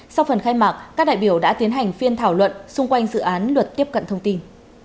sau phần khai mạc các đại biểu đã tiến hành phiên thảo luận xung quanh dự án luật tiếp cận thông tin